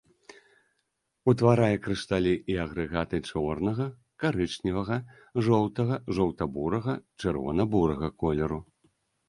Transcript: Утварае крышталі і агрэгаты чорнага, карычневага, жоўтага, жоўта-бурага, чырвона-бурага колеру.